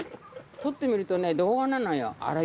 撮ってみるとね動画なのよ。